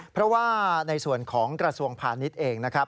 เพราะว่าในส่วนของกระทรวงพาณิชย์เองนะครับ